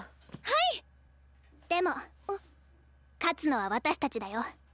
勝つのは私たちだよ。